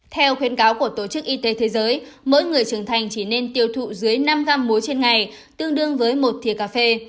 theo khuyến cáo của tổ chức y tế thế giới mỗi người trưởng thành chỉ nên tiêu thụ dưới năm gram muối trên ngày tương đương với một thiều cà phê